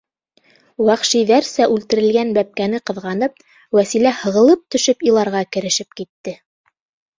Вәхшиҙәрсә үлтерелгән бәпкәне ҡыҙғанып, Вәсилә һығылып төшөп иларға керешеп китте.